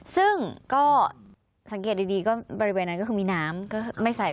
ซึ่งก็สังเกตดีบริเวณนั้นก็คือมีน้ำ